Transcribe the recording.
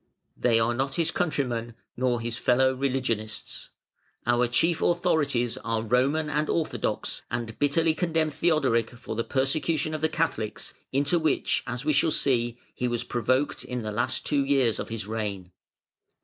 They are not his countrymen, nor his fellow religionists. Our chief authorities are Roman and Orthodox, and bitterly condemn Theodoric for the persecution of the Catholics, into which, as we shall see, he was provoked in the last two years of his reign.